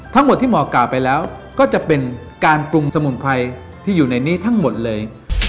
ทั้งหมดที่หมอกล่าวไปแล้วก็จะเป็นการปรุงสมุนไพรที่อยู่ในนี้ทั้งหมดเลย